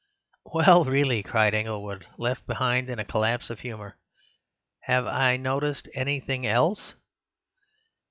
"Well, really," cried Inglewood, left behind in a collapse of humour, "have I noticed anything else?"